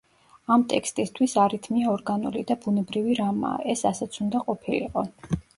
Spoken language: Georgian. ამ ტექსტისთვის არითმია ორგანული და ბუნებრივი რამაა, ეს ასეც უნდა ყოფილიყო.